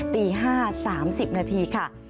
ตี๕๓๐นาทีค่ะ